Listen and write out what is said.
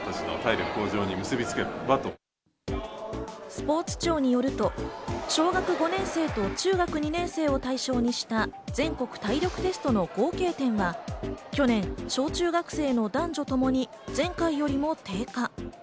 スポーツ庁によると、小学５年生と中学２年生を対象にした全国体力テストの合計点は去年、小中学生の男女ともに前回よりも低下。